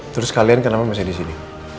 terus kalian kenapa masih disini